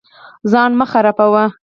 ځان مه خرابوئ